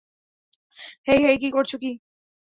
হেই, hey, কী করছো কী?